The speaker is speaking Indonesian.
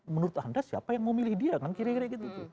menurut anda siapa yang mau milih dia kan kira kira gitu